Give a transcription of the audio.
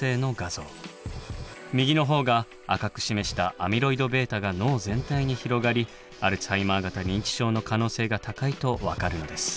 右のほうが赤く示したアミロイドβが脳全体に広がりアルツハイマー型認知症の可能性が高いと分かるのです。